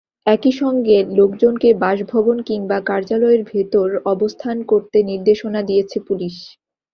একই সঙ্গে লোকজনকে বাসভবন কিংবা কার্যালয়ের ভেতর অবস্থান করতে নির্দেশনা দিয়েছে পুলিশ।